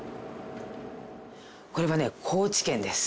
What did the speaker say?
これはね高知県です。